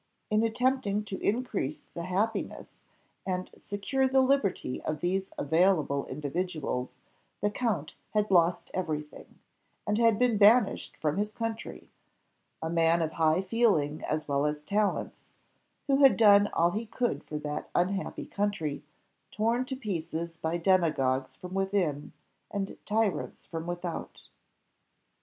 In attempting to increase the happiness and secure the liberty of these available individuals, the count had lost every thing, and had been banished from his country a man of high feeling as well as talents, and who had done all he could for that unhappy country, torn to pieces by demagogues from within and tyrants from without.